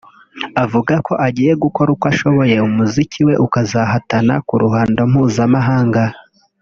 avuga ko agiye gukora uko ashoboye umuziki we ukazahatana kuruhando mpuzamahanga